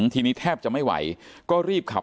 ทีนี้แทบจะไม่ไหวก็รีบขับ